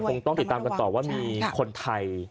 คงต้องติดตามกันต่อว่ามีคนไทย